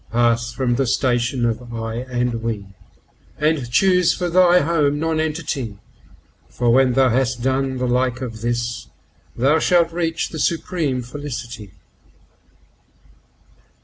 Pass from the station of "I" and "We," and choose for thy home Nonentity, For when thou has done the like of this, thou shalt reach the supreme Felicity.